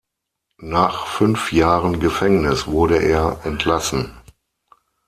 Nach fünf Jahren Gefängnis wurde er entlassen.